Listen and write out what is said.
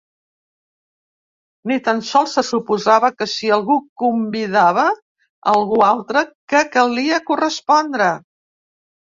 Ni tan sols se suposava que si algú convidava algú altre, que calia correspondre.